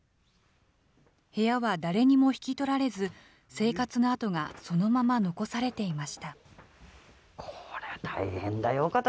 部屋は誰にも引き取られず、生活の跡がそのまま残されていました。